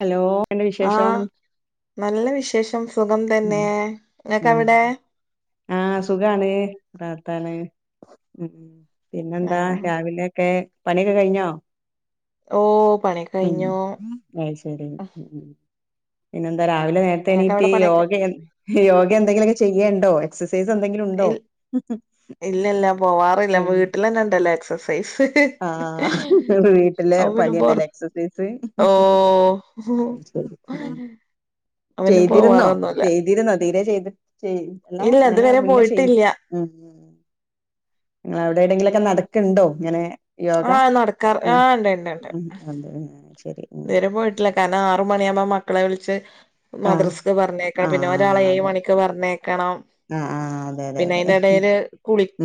Hello എന്തക്കെയുണ്ട് വിശേഷം? ആഹ് നല്ല വിശേഷം സുഖം തന്നെ ഇങ്ങക്ക് ആഹ് അവടെ? ആഹ് സുഖാണ് റാഹത്താണ് ഉം പിന്നെന്താ ആഹ് രാവിലെയെക്കെ പണിയൊക്കെ കഴിഞ്ഞോ? ഓഹ് പണിയൊക്കെ കഴിഞ്ഞൂ അഹ് ശരി ഉം പിന്നെന്താ രാവിലെ നേരത്തെ എണീറ്റ് ഇങ്ങക്കവിടെ പണിയൊക്കെ യോഗ യോഗേ എന്തെങ്കിലൊക്കെ ചെയ്യേണ്ടോ? എക്സസൈസ് എന്തെങ്കിലു ഇൽ ഇല്ലല്ലാ പോവാറില്ല വീട്ടിലന്നെ ഇണ്ടല്ലോ എക്സസൈസ് ആഹ് ഇങ്ങളെ വീട്ടിലെ അപ്പൊ പിന്നെ പൊറ പണിയന്നലെ എക്സസൈസ് ഓ അഹ്ശരി ഉം അപ്പൊ പിന്നെ ചെയ്തിരുന്നോ? പോവാറൊന്നുല്ല ചെയ്തിരുന്നോ? തീരെ ചെയ്ത് ചെയ് അല്ല ഇല്ല ഇത് ഇങ്ങനെ വരെ മുന്നേ ചെയ് പോയിട്ടില്ല്യ ഉം ഇങ്ങളെ അവ്ടെ എവ്ടെങ്കിലൊക്കെ നടക്ക്ണ്ടോ ഇങ്ങനെ? യോഗ ആഹ് നടക്കാറ് ഉം ആഹ് ഉം അതെ അഹ്ശരി നേരെ പോയിട്ടില്ല കാര്ണം ആറ് മണിയാവുമ്പോ മക്കളെ വിളിച്ച് ആഹ് മദ്രസ്ക്ക് പറഞ്ഞേക്കണം പിന്നെ ഒരാളെ ആഹ് ഏഴ് അതെ മണിക്ക് പറഞ്ഞേക്കണം. ആഹ് ആഹ് അതെ അതെ പിന്നെ അതെ അയ്ന്റെ എടേല്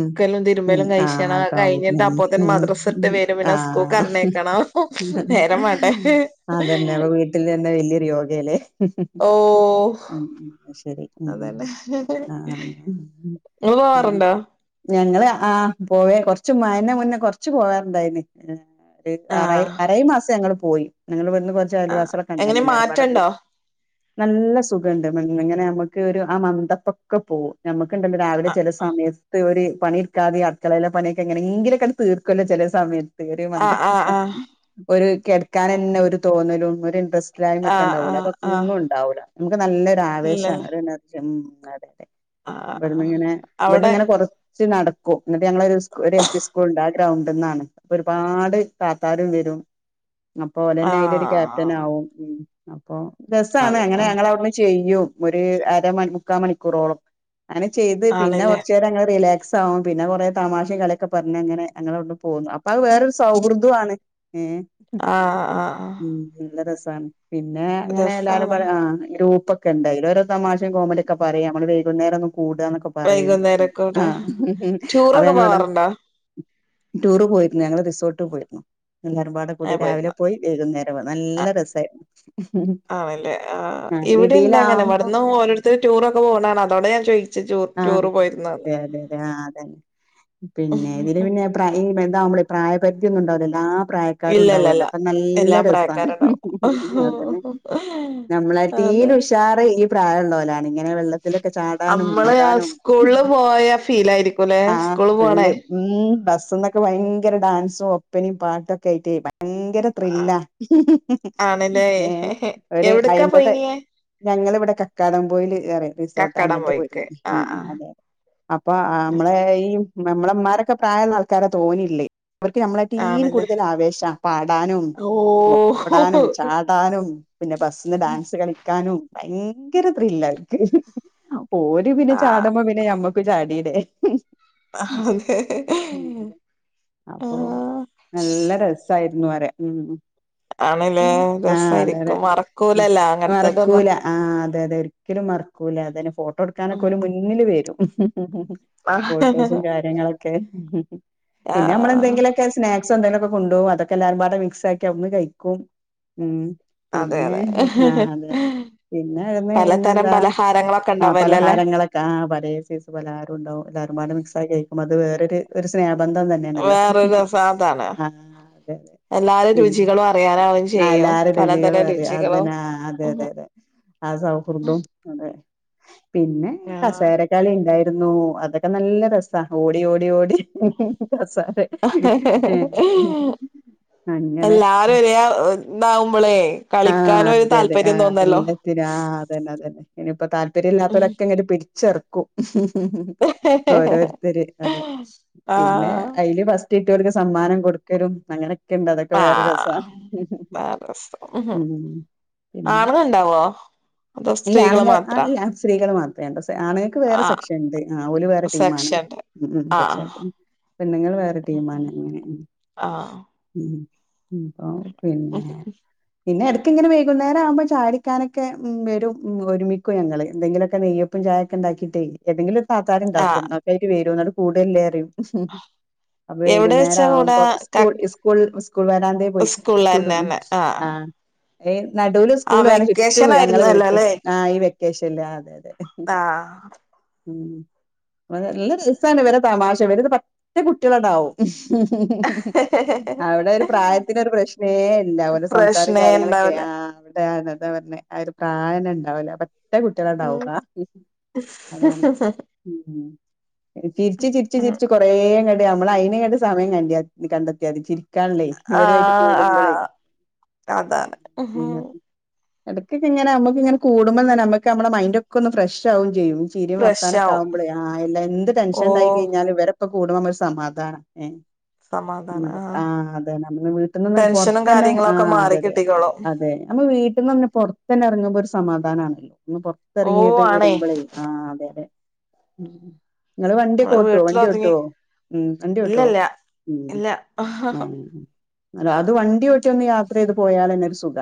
ഉം ഉം തിരുമ്പലും ആഹ് കഴിച്ചണം അതൊക്കെ ആക്കാൻ പറ്റും കഴിഞ്ഞിട്ട് ഉം അപ്പോത്തിന് മദ്രസ് വിട്ട് ഉം വരും പിന്നെ സ്കൂൾക്ക് ആഹ് പറഞ്ഞേക്കണം നേരം മാണ്ടെ അതന്നെ അപ്പൊ വീട്ടിലന്നെ വലിയൊരു യോഗേല്ലേ? ഓ ഉം അഹ്ശരി അതന്നെ ആഹ് ഉം നിങ്ങള് പോവാറുണ്ടോ? ഞങ്ങള് ആഹ് പോവേ കൊർച്ച് മഴന്റെ മുന്നേ കൊർച്ച് പോവാറുണ്ടായിനി. ആറായി ആഹ് ആറേഴ് മാസം ഞങ്ങള് പോയി ഞങ്ങള ഇവട് കൊർച്ച് ആഹ് അയൽവാസിയളൊക്കെ എങ്ങനെ ഇണ്ടായിനി എല്ലാരും പാടെ കൂടി മാറ്റണ്ടോ നല്ല സുഖണ്ട് ഇങ്ങനെ അമ്മക്ക് ഒരു ആ മന്തപ്പൊക്കെ പോകും. നമ്മക്ക്ണ്ടല്ലോ രാവിലെ ചെല സമയത്ത് ഒരു പണി ഇട്ക്കാതിം അ അടുക്കളേല്ലെ പണിയൊക്കെ എങ്ങനെങ്കിലൊക്കെ തീർക്കുവല്ലോ ചെല സമയത്ത് ഒരു മന്ദ ആഹ് ആഹ് ആഹ് ഒരു കെടക്കാനന്നെ ഒരു തോന്നലും ഒരു ഇൻട്രസ്റ്റില്ലായ്മക്കെ ആഹ് ആഹ് ഇണ്ടാവൊല്ലോ ആഹ് അതൊന്നും ആഹ് ഇണ്ടാ ഇണ്ടാവുല്ല അമ്മക്ക് നല്ലൊരു ഇല്ലല്ലേ ആവേശാണ് ഒര് എനർജിയാണ് ഉം അതെ ആഹ് ആഹ് ഇവട്ന്ന്ങ്ങനെ അവിടെ ഇവിട്ന്ന്ങ്ങനെ കൊറ കൊറച്ച് നടക്കും ഇന്നിട്ട് ഞങ്ങളൊരു സ്കു ഒരു എൽ. പി. സ്കൂളിണ്ട് ആ ഗ്രൗണ്ട്ന്നാണ്. ഒരുപാട് താത്താരും വരും അപ്പൊ ഓലന്നെ അയ്ലൊരു ആഹ് ക്യാപ്റ്റനാവും ഉം അപ്പൊ രസാണ് അതെ അങ്ങനെ ആഹ് ഞങ്ങളവട്ന്ന് ചെയ്യും ഒര് അരമണി മുക്കാമണിക്കൂറോളം അങ്ങനെ ചെയ്ത് പിന്നെ ആണ്ല്ലേ കൊറച്ചേരം ങ്ങനെ റിലേ ക്സാവും പിന്നെ കൊറേ തമാശേം കളിക്കെ പറഞ്ഞ അങ്ങനെ ഞങ്ങളട്ന്ന് പോന്നു അപ്പൊ അത് വേറൊരു സൗഹൃദാണ്. ഹേ ആഹ് ആഹ് ആഹ് ഉം നല്ല രസാണ് പിന്നെ അങ്ങനെ എല്ലാവാരും രസാണ് ആഹ് ഗ്രൂപ്പോ ക്കെണ്ട് അയ്ലോരോ തമാശീ കോമഡിക്കെ പറിം നമ്മള് വൈകുന്നേരം ഒന്ന് കൂടാന്നൊ പറയും വൈകുന്നേരക്കൂടെ ആഹ് അപ്പൊ ടൂറൊക്കെ ഞങ്ങളട പോവാറുണ്ടോ ടൂറ് പോയിരുന്നു ഞങ്ങള്ൾ റിസോർട്ടിൽ പോയിരുന്നു എല്ലാരമ്പാട കൂടി ഏഹ് രാവിലെ പോയിരുന്നോ പോയി വേകുന്നേരമാണ് നല്ല രസമായി ആണല്ലേ ആഹ് ഇവിടെ ഇണ്ട് അങ്ങെ ഇതിലാവുമ്പോ ഇവിടുന്ന് ഓരുത്തരു ടൂറൊക്കെ പോണാണ് അതോണ്ടാ ഞാൻ ചോയി ആഹ് അതെ അതെ അതെ ആഹ് അതന്നെ പിന്നെ ഇതില് പിന്നെ പ്ര ഈ വലുതാകുമ്പള് പ്രായപരിധി ന്നും ഉണ്ടാവില്ല പ്രായക്കാരും ഇല്ലല്ലല്ല ഉണ്ടാവുമല്ലോ അപ്പൊ നല്ല എല്ലാ രസമാണ് പ്രായക്കാരുണ്ടാവും അതന്നെ നമ്മളട്ടീൽ അതെ ഉഷാറ് ഈ പ്രായ ള്ളോലാണ് ഇങ്ങനെ വെള്ളത്തിലൊക്കെ ചാടാനുംനീന്താ സ്കൂളിൽ പോയ ഫീല ആയിരിക്കുംല്ലേ ആ സ്കൂള പോണേ ഫുള്ള് ഉം ബസ്സന്നൊക്കെ ഭയങ്കര ഡാൻസും ഒപ്പനും പാട്ടൊക്കെ ആയിട്ട് ഭയങ്കര ആഹ് ത്രില്ലാ ആണല്ലേ ഹേ ഒരു എവിടക്കാ അമ്പത് പോയിനിയേ ഞങ്ങളിവിടെ കക്കാടം പോയിൽ ഏറെ റിസോർട്ട് കക്കാടം അങ്ങട്ട് പോയിക്ക് പോയിന്നു ആഹ് ആഹ് അതെ അപ്പൊ നമ്മള് ആഹ് ഈ നമ്മളെ മ്മാരൊക്കെ പ്രായം ല്ല ആൾക്കാരാ തോനിം ഇല്ല ക് അവർക്ക് നമ്മളിട്ടീലും ആണല്ലേ കൂടുതൽ ആവേശാ പാടാനും ഓ ഓടാനും ചാടാ ട്ടാനും പിന്നെ ബസ്സിന്ന് ഡാൻസ് കളിക്കാനും ഭയങ്കര ത്രില്ല അവർക്ക് ഓര് പിന്നെ ആഹ് ചാടമ്മോ പിന്നെ ഞമ്മക്ക് ചാടില്ലേ അതെ ഉം അപ്പൊ ആഹ് നല്ല രസം ത്തായിരുന്നു വരെ ഉം ആണല്ലേ ഇങ്ങനെ അതെ അതെ രസായിരിക്കും മറക്കൂലല്ലോ അങ്ങനത്തതൊന്നും മറക്കൂല ആഹ് അതെ അതെ ഒരിക്കലും മറക്കൂലേ അതെ ഫോട്ടോ എടുക്കാനൊക്കെ ഉം ഒരു മുന്നില് വരും ഫോട്ടോസും ആഹ് കാര്യങ്ങളൊക്കെ പിന്നെ നമ്മള ആഹ് എന്തെങ്കിലൊ ക്കെ സ്നാക്സ് എന്തെങ്കിലുമ ഒക്കെ കൊണ്ടുപോകും അതൊക്കെ എല്ലാരും പാടെ മിക്സ് ആക്കി അവിടന്ന് കഴിക്കും ഉം അതെ പിന്നെ അതെ ആഹ് അതെ പിന്നെ അന്ന് പിന്നെ പലതരം എന്താ പലഹാരങ്ങളൊക്കെ ആഹ് ഉണ്ടാവല്ലോല്ലേ പലഹാരങ്ങ ങ്ങളെ പലേ സയ്സ്‌ പലഹാരമുണ്ടാവും എല്ലാരും മിക്സ് ആക്കി കഴിക്കും അത് വേറൊ ഒരു സ്നേഹബന്ധം തന്നെ വേറൊരു രസം അതാണ് ആഹ് അതെ അതെ എല്ലാരും ഉം രുചികളും അറിയാനാവും ചെയ്യും എല്ലാരും രുചികളും പലതരം അറിയാ രുചികളും അതിനാ. അതെ അതെ അതെ ആഹ് സൗഹൃദം അതെ പിന്നെ ആഹ് കസേര ക്കളി ഉണ്ടായിരുന്നു അതൊക്കെ നല്ല രസാ ഓടി ഓടി ഓടി രസാ [unintelligible] അങ്ങനെ എല്ലാരും ഒരേ ഇതാവുമ്പോളേ ആഹ് കളിക്കാനും ഒരു അതെ അതെ താല്പര്യം ആഹ് തോന്നല്ലോ എല്ലാ ആഹ് അതെത തെ ഇനിയിപ്പം താല്പര്യം ഇല്ലാത്തൊലക്കെ ഇങ്ങര് പിടിച്ച് ഇറക്കും ഓരോ തൊരു അതെ പിന്നെ ആഹ് അയ്‌ല് ഫസ്‌റ്റ്‌ കിട്ട്യോൽക്ക് സമ്മാനം കൊടുക്കലും അങ്ങനെ ഒക്കെ ഇണ്ട് അതൊക്കെ വേറെ ആഹ് രസാ പിന്നെ ആണന്നുണ്ടാവോ ഇല്ല ആണെങ്ക ആല്ല ശ്രീ മാത്രേ [unintelligible] ആണുങ്ങൾക്ക് വേറെ ആ സെക്ഷൻ ഉണ്ട് ആഹ് ഓല് വേറെ ടീമ് ആണ് സെക്ഷൻണ്ട് ഉം ഉം. ആഹ് സെക്ഷൻ പെണ്ണുങ്ങൾ വേറെ ടീമ് ആണ് അങ്ങനെയ ആഹ് ഉം ഇപ്പ പിന്നെ പിന്നെ എടക്ക് ഇങ്ങനെ വൈകുന്നേരം ആവുമ്പോ ചാടിക്കാനൊക്കെ ഉം വെരും ഒരുമിക്കും ഞങ്ങള്. എന്തെിലൊക്കെ നെയ്യപ്പും ചായൊക്കെ ഇണ്ടാക്കീട്ടെ ഏതെങ്കിലൊര് താത്താര് ഇണ്ടാക്കും. ആഹ് ന [unintelligible] ക്കായിട്ട് വരും. ട് കൂടെല്ലേ റിം അപ്പൊ എവിടെ വൈകുന്നേരം വെച്ചാ കൂടാ ആകുമ്പം ക സ്കൂൾ സ്കൂൾ സ്കൂൾ വരാൻ അതേ പോയിട്ട് സ്കൂളിലന്നെന്നെ [unintelligible] ആഹ് ആഹ് നടൂല് ആ സ്കൂളാണ്. ച്ചുറ്റും വെക്കേഷൻ ഞങ്ങള് ആയിരുന്നല്ലോ പോയിട്ടു അല്ലേ ആ ഈ വെക്കേഷൻല്ല് അതെ അതെ. ആഹ് ഉം നല്ല രസാണ് ഇവരെ തമാശ. ഇവര് പറ്റെ കുട്ട്യേളണ്ടാവും ! ! ! ! ! ! ! ! ! അവിടെ ഒരു പ്രായത്തിനൊരു പ്രശ്നേ ഇല്ല. അവരെ സംസാരും പ്രശ്നേ കാര്യങ്ങളൊക്കെ ഇണ്ടാവൂല ആ. അത പറഞെ ആ ഒരു പ്രായന്നെ ഇണ്ടാവൂല. നല്ല കുട്ട്യേളണ്ടാവും ഉം അതാണ് ചിരിച്ച് ചിരിച്ച് ചിരിച്ച് കൊറേ ഇങ്ങട് നമ്മള് അയ്ന്ങ്ങട്ട് സമയം കണ്ട കണ്ടെത്ത്യാതി ചിരി ക്കാൻള്ളേയ് ഇവരു ആയിട്ട് ആഹ് കൂടുമ്പളേ ആഹ് അതാണ് എടക്കൊക്കെ ഇങ്ങനെ നമുക്ക് ഇങ്ങനെ കൂടുമ്പതന്നെ നമ്മക്ക് നമ്മ മൈന്റൊക്കൊന്ന് ഫ്രഷ് ആകും ചെയ്യും. ചിരിം ഫ്രഷ് വർത്താനൊക്കെ ആവും ആകുമ്പളേ. ആ എല്ല എന്ത് ഓ ടെഷൻണ്ടായി കഴിഞ്ഞാലും ഇവരെ ക്കെ കൂടുമ്പോമ്മക് സമാധാന ഏഹ് ആഹ് അതെ. നമ്മള് വീട്ടിൽ നിന്ന് ടെൻഷനും പൊറത്തന്നെ കാര്യങ്ങളൊക്കെ ആഹ് മാറി അതെ അതെ കിട്ടിക്കോളും അതെ. നമ്മള് വീട്ടിന്നൊന്ന് പൊറ്ത്തന്നെ എറങ്ങുമ്പോ ഒരു സമാധാനാണല്ലോ. ഒന്ന് ഓ പൊറത്തിറങ്ങിട്ട് ആണേ വരുമ്പളേ. ആ. അതെ അതെ ഉം ഇങ്ങള് വണ്ടിയൊക്കെ നമ്മളെ ഓട്ടോ വണ്ടി ഓട്ടോ? വീട്ടിലൊതുങ്ങി ഉം വണ്ടിയോട്ടോ ഇല്ലല്ല ഉം ഇല്ല ആഹ് അല്ല അത് വണ്ടിയോട്ടി ഒന്ന് യാത്ര ചെയ്ത് പോയാലെന്നെ ഒരു സുഖ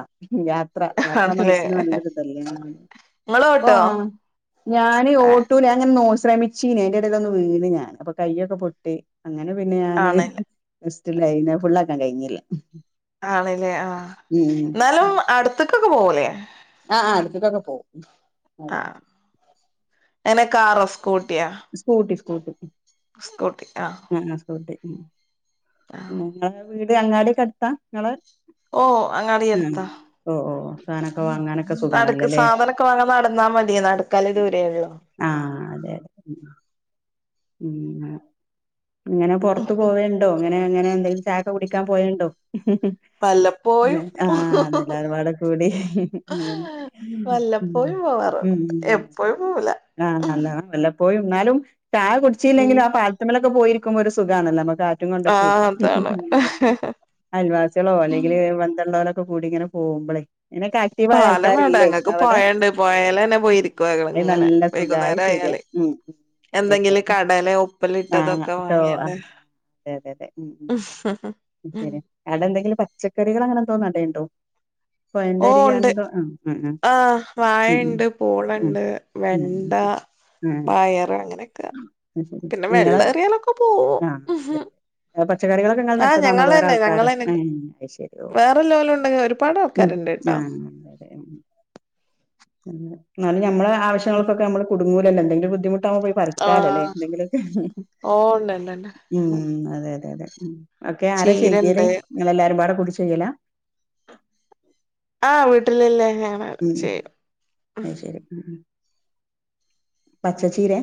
ത്ര യാത്ര ആണല്ലേ മനസ്സിന് തല്ലരുതല്ലെ ആ. നിങ്ങള് ഓഹ് ഓട്ടോ ആഹ്. ഞാന് ഓട്ടൂല ഞാനു ഇങ്ങനെ ശ്രമി ച്ചീന് അയ്ന്റെ എടേലൊന്ന് വീണ് ഞാൻ. അപ്പൊ കയ്യൊക്കെ പൊട്ടി. അങ്ങനെ പിന്നെ ഞാന് ആണില്ല റെസ്റ്റിലായി. പിന്നത് ഫുള്ളാക്കാൻ കയ്ഞ്ഞില്ല. ആണ്ലെ. ആഹ്. ഇന്നാലും അടുത്ത്ക്കൊക്കെ പോവൂലേ?. ആഹ് ആഹ് അടുത്ത്ക്കൊക്കെ പോവും. ആഹ്. എങ്ങനെ കാറോ സ്കൂട്ട്യാ? സ്കൂട്ടി സ്കൂട്ടി സ്കൂട്ടി ആഹ് ആഹ് സ്കൂട്ടി. പിന്നെ ആഹ് നിങ്ങളെ വീട് അങ്ങാടി ഒക്കെ അടുത്താ നിങ്ങള് ഓഹ്. അങ്ങാടി യടുത്താ സാധനൊക്കെ വാങ്ങാനൊക്കെ നടക്ക് സുഖാണല്ലോല്ലേ സാധനൊക്കെ വാങ്ങാൻ നടന്നാ മതി. നടക്കാലെ ദൂരേ ഒള്ളു. ആഹ്. അതെ അതെ ഉം. ഇങ്ങനെ പൊറ്ത്ത് പോവ [unintelligible] ണ്ടോ ഇങ്ങനെ അങ്ങനെ എന്തെങ്കിലും ചായൊക്കെ കുടിക്കാൻ പോവെണ്ടോ. വല്ലപ്പോഴും ല്ലെ. ആഹ്. അതെ. എല്ലാരും പാടെ കൂടി. അങ്ങൻതന്നെ. വല്ലപ്പോഴും പോവാറൊള്ളു. എപ്പഴും പോവൂല. ആഹ് ല്ല വല്ല പോയി. ഇന്നാലും ചായ കുടിച്ചില്ലെങ്കും ഉം ആ പാലത്തിമ്മലൊക്കെ പോയിരിക്കുമ്പോ ഒരു സുഖാണല്ലൊ. നമുക്ക് ആ. കാറ്റും കൊണ്ടക്കെ. ആഹ് അതാണ് അയൽവാസ്യേളോ, അല്ലെങ്കില് ബന്ധള്ളോലൊക്കെ കൂടിങ്ങനെ പോകുമ്പളെ. അയ്നൊക്കെ ആക്റ്റീവായ പാലം വേണ്ട ആൾക്കാരില്ലെ. ഞങ്ങക്ക് ഇങ്ങളെടെ. പൊഴണ്ട് പൊഴേലെന്നെ പോയിരിക്കും ഞങ്ങള് അ ഇങ്ങനെ നല്ല സുഖാ. അത് വൈകുന്നേരം ശര്യ. ആയാല് ഉം ഉം അതെ എന്തെങ്കിലും അതെ കടലേ ആഹ് ഉപ്പിലിട്ടതൊക്കെ ട്ടോ വാങ്ങിയാണ്ട് ആഹ്. അതെ അതെ അതെ ഉം ഉം ശരി അവിടെ എന്തെങ്കിലും പച്ചക്കറികൾ അങ്ങനെ എന്തോ നടേണ്ടോ? പൊഴന്റെ ഓഹ് അരികെ ണ്ട് അങ്ങനെ എന്തോ ആഹ് ആഹ് ഉം ഉം. വാഴേണ്ട്, ഉം പൂളണ്ട്, ഉം വെണ്ട ഉം ഉം പയറ് അങ്ങനെക്കെ അത് ശരി പിന്നെ നിങ്ങള് വെള്ളേറിയാലൊക്കെ പോവും ആഹ് അതെ പച്ചക്കറികളൊക്കെ ഇങ്ങളൾ ആഹ് നട്ടതാണോ വേറെ ആൾക്കാരും ഏഹ് അഹ് ശെരി വേറെല്ലോലൂണ്ട് ഒരുപാട് ആൾക്കാരുണ്ട് ട്ടോ ന്നാലും നമ്മെളെ ആവശ്യങ്ങൾക്കൊക്കെ നമ്മള് കുടുങ്ങൂലല്ലോ എന്തെങ്കിലും ബുദ്ധിമുട്ടാവുമ്പൊഴെ കാലല്ലേ ആഹ് എന്തെങ്കിലൊക്കെ ഓ ഉണ്ട്ണ്ട്ണ്ട് ഉം അതെ അതെ അതെ ഉം ഒക്കെ ആരാ ചെയ്യല്? ചീരണ്ട് നിങ്ങളെല്ലാരും പാടെ കൂടി ചെയ്യലാ? ആഹ് വീട്ടലെല്ലാരാണ് ഉം അഅ് ശരി പച്ചച്ചീരേ?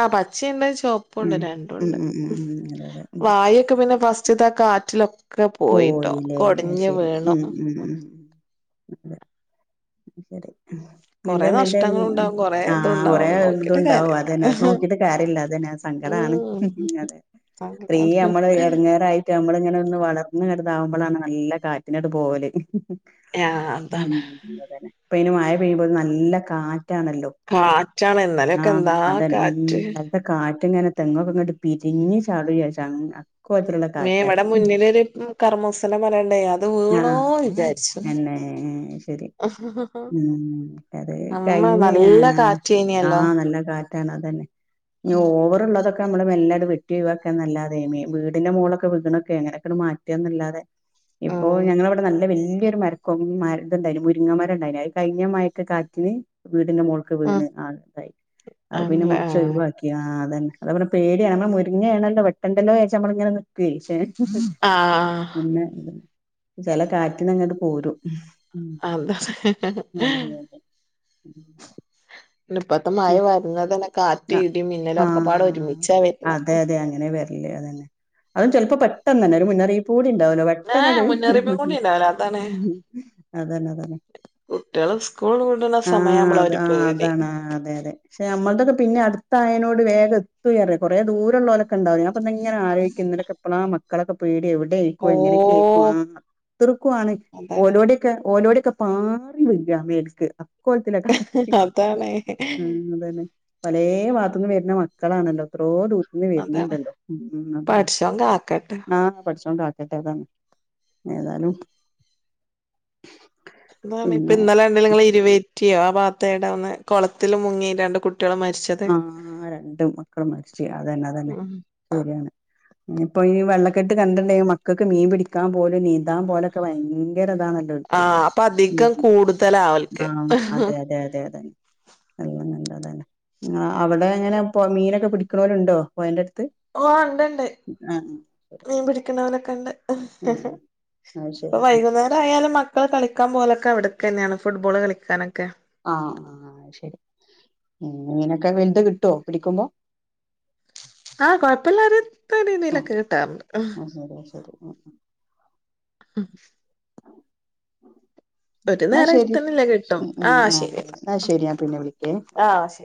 ആ പച്ചീണ്ട് ഉം ചൊവപ്പൂണ്ട് ഉം രണ്ടുംണ്ട് ഉം ഉം ഉം അതെ അതെ ഉം വായൊക്കെ പിന്നെ ഫസ് റ്റ്ത്തെ കാറ്റിലോ പോയില്ലേ അഹ് ശരി ഉം ഉം ഉം അതെ ന്നാ കൊറെ ശരി ഉം നഷ്ടങ്ങളും ഉണ്ടാവും [unintelligible] കൊറെ ആഹ് കൊറേ ഇതുണ്ടാവും നോക്കിട്ട് ഇതുണ്ടാവും കാര്യല്ല അതെന്നെ അത് നോക്കീട്ട് കാര്യല്ല അതന്നെ ഹസ് സങ്കടാണ് ഉം അതെ ഇത്രീം സങ്കടാണ് നമ്മള് എടങ്ങേറായി റ്റ നമ്മളിങ്ങനെ ഒന്ന് വളർന്ന് ഇങ്ങട്ട്താവുമ്പൊളാണ് നല്ല കാറ്റിനാണ്ട് പോവല് ആ അതാണ് ഉം അതന്നെ ഇപ്പ അയിന് മഴ പെയ്യുമ്പോത്തിനും നല്ല കാറ്റാണല്ലോ. കാറ്റാണ് ഇന്നലെയൊക്കെ എന്താ കാറ്റ്. ഇ കാറ്റുംങ്ങനെ തെങ്ങൊക്കെ ഇങ്ങട്ട് പിരിഞ്ഞ് ചാടു വിചാരിച്ചും അങ്ങ മ്മേ ഇവടെ മുന്നിലൊരു കർമൂസന്റെ മരണ്ടേ അത് വീണോ വിചാരിച്ച് എന്നെ ശരി ആ ഉം അത് കൈഞ്ഞ നല്ല ഞാ കാറ്റേനിയല്ലോ നല്ല കാറ്റാണ് അതന്നെ ഇഞ്ഞ് ഓവറുള്ളതൊക്കെ ക്ക മ്മൾ മെല്ലാട് വെട്ടി ഒഴിവാക്കാ നല്ലാതെ വീടിന്റെ മോളൊക്കെ വിക്ണൊക്കെ അങ്ങനൊക്കൊ മാറ്റാന്നല്ലാതെ ഉം ഇപ്പോ ഞങ്ങളവിടെ നല്ല വല്യയൊരു മരക്കൊമ്പ് മരത് ണ്ടായിനി മുരി രിങ്ങ മരണ്ടായിനി അത് കഴിഞ്ഞ മഴക്ക് കാറ്റിന് വീടിന്റെ മോള് ക്ക് ഉം വീണ് ആകെ ഇതായി അത് പിന്നെ ആണല്ലേ മുറിച്ച് ഒഴിവാക്കി. ആ അതന്നെ അതുപോലെ പേടിയാണ് നമ്മ മുരിങ്ങേണല്ലോ വെട്ടണ്ടല്ലോ വിചാരിച്ച് നമ്മള് ഇങ്ങനെ നി [unintelligible] ആ ആ പിന്നെ ചെല കാറ്റിനങ്ങട്ട് പോരും. അല്ലാഹ് അതെ അതെ ഇപ്പത്തെ മഴ അതെ വരുന്നതന്നെ കാറ്റ് ഇടി മിന്നലും ഒക്കെപാടെ ഒരുമിച്ചാ വരുന്നേ ല്ലെ അതെന്നെ അതും ചെലപ്പോ പെട്ടെന്ന് തന്നെ ഒരു മുന്നറിയിപ്പ് കൂടി ഉണ്ടാവൂല. ഏ പ്പെട്ടന്നെട് മുന്നറിയിപ്പും കൂടി ഉണ്ടാവില്ല അതാണ് അതന്നെ അതന്നെ കുട്ടികള് സ്കൂൾ വിടുന്ന ആഹ സമയാവുമ്പളാ അത് ഒരു ആ പേടി അതാണ് ആ അതെ അതെ പക്ഷെ നമ്മള് തൊക്കെ പിന്നെ അടുത്തായേനോട് വേഗം എത്തുയറിയ കുറെ ദൂര ഉള്ളോരൊക്കെ ഒക്കെ ഇണ്ടാവും ഞാൻ പ്പങ്ങനെ ആലോയിക്കേനി ഇന്നലെ ഒക്കെ എപ്പളാ മ മക്കളൊക്കെ പേടി എവിടെയേക്കും ഓ എങ്ങനെക്കേയ്ക്കും ഏ അത്രക്കു ആണ് അതാണ് ഓലോടെ ക്കെ ഓലോടൊക്കെ പാറി വിക മേൽക്ക് അക്കോലത്തിലാ കാറ്റ് അതാണ് ഉം അതന്നെ പല വാത്തുന്നും വര്ന മക്കളാണല്ലോ എത്രോ ദൂ ഇന്ന് അതാണ് വെര്ന്നിണ്ടല്ലോ ഉം പടച്ചോൻ കാക്കട്ടെ [inaudible] ആഹ് പടച്ചോൻ കാ [unintelligible] ഏതാലും അതേ മാരി പിന്നെ ഇപ്പിന്നലെ കണ്ടില്ലേ നിങ്ങള് ഇരുവേറ്റിയോ ആ ഭാഗത്തേടെ ഒന്ന് കൊളത്തില് മുങ്ങി രണ്ട് കുട്ടികള് മരിച്ച് ആഹ് രണ്ടും മക്കളും മരിച്ച് അതന്നെ അതന്നെ ഉം ശരിയാണ് ഇനിപ്പൊ ഈ വെള്ളക്കെട്ട് കണ്ടിണ്ടെങ്കി മക്കക്ക് മീൻ പിടിക്കാൻ പോവലും നീന്താൻ പോവലൊക്കെ ഭയങ്കര ഇതാണ ആഹ് അപ്പ അധികം കൂടുതലാവൽക്ക് അതെ അതെ അതന്നെ നല്ല നല്ല അതന്നെ ആഹ് അവിടെ എങ്ങനെ പൊ മീനൊക്കെ പിടിക്കണോലിണ്ടോ പൊഴേന്റടുത്ത്? ഓഹ് ഇണ്ടിണ്ട് മീൻ പിടിക്കണവലക്കെണ്ട് ആഹ് അത് ഇപ്പൊ ശരി വൈകുന്നേ രായാലും മക്കള് കളിക്കാൻ പോവലൊക്കെ അവിടെ തന്നെയാണ് ഫുട്ബോള് കളിക്കാനൊക്കെ ആഹ് ആഹ് അത്‌ ശെരി മീനൊക്കെ വെലുത് കിട്ടുവോ പിടിക്കുമ്പൊ ആഹ് കൊഴപ്പില്ല [unintelligible] അഹ് അത്‌ ശെരി അത്‌ ശെരി അഹ് ഉം ഒരു എന്ന ശെരി നേരത്തിനില്ല കിട്ടും ഉം ആഹ് ശരി എന്ന ശെരി ഞാൻ പിന്നെ വിളിക്കേ ആഹ് ശരി